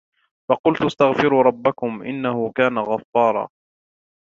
فقلت استغفروا ربكم إنه كان غفارا